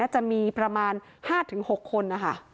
จะมีประมาณ๕๖คนนะคะ